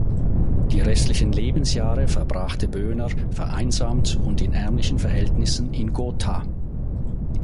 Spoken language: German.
Die restlichen Lebensjahre verbrachte Böhner vereinsamt und in ärmlichen Verhältnissen in Gotha.